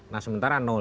nah sementara